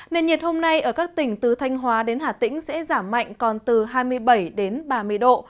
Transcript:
nền nhiệt hôm nay ở các tỉnh từ thanh hóa đến hà tĩnh sẽ giảm mạnh còn từ hai mươi bảy đến ba mươi độ